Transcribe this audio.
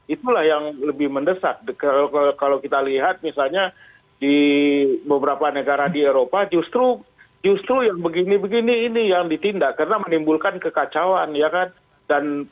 itulah yang lebih mendesak kalau kita lihat misalnya di beberapa negara di eropa justru yang begini begini ini yang ditindak karena menimbulkan kekacauan ya kan